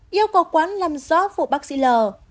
yêu cầu quán làm rõ vụ bác sĩ l